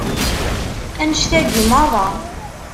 Annect-agi meṛṛa.